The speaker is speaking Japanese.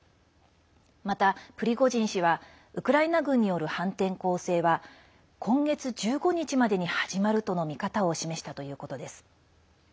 また、プリゴジン氏はウクライナ軍による反転攻勢は今月１５日までに始まるとの見方を示したということです。